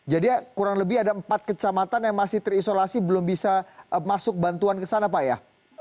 jadi kurang lebih ada empat kejamatan yang masih terisolasi belum bisa masuk bantuan ke sana pak ya